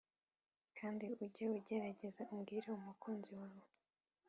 kandi ujye ugerageza ubwire umukunzi wawe